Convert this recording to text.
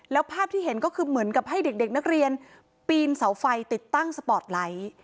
แล้วภาพที่เห็นก็คือเหมือนกับให้เด็กนักเรียนปีนเสาไฟติดตั้งสปอร์ตไลท์